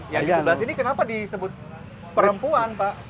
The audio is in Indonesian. yang di sebelah sini kenapa disebut perempuan pak